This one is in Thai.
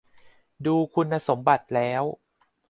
ดูคุณสมบัติแล้ว